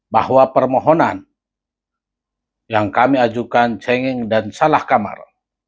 bahwa permohonan yang kami ajukan cengeng dan salah kamar